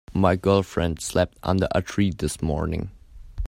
My girlfriend slept under a tree this morning.